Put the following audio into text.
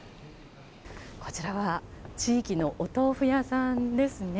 こちらは地域のお豆腐屋さんですね。